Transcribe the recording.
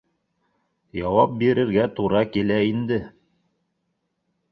— Яуап бирергә тура килә инде.